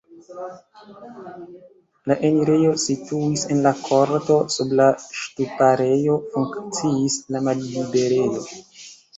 La enirejo situis en la korto, sub la ŝtuparejo funkciis la malliberejo.